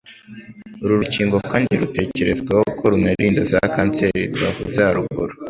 Uru rukingo kandi rutekerezwaho ko runarinda za kanseri twavuze haruguru